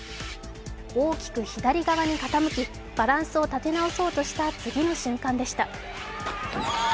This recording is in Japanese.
大きく左側に傾きバランスを立て直そうとした次の瞬間でした。